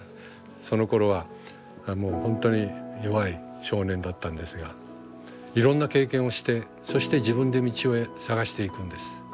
そのころはもう本当に弱い少年だったんですがいろんな経験をしてそして自分で道を探していくんです。